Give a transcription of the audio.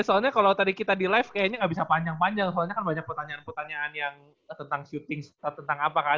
soalnya kalau tadi kita di live kayaknya nggak bisa panjang panjang soalnya kan banyak pertanyaan pertanyaan yang tentang syuting tentang apa kan